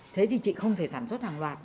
thế thì chị không thể sản xuất hàng loạt